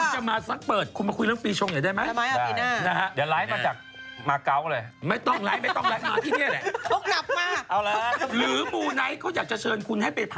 ทำไว้เถอะแล้วเสียอะไรก็ไม่ได้พิกัดก็ไม่ได้อะไรเลย